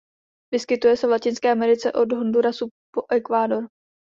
Vyskytuje se v Latinské Americe od Hondurasu po Ekvádor.